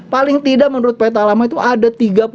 paling tidak menurut peta lama itu ada tiga puluh